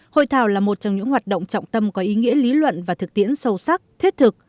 hội thảo là một trong những hoạt động trọng tâm có ý nghĩa lý luận và thực tiễn sâu sắc thiết thực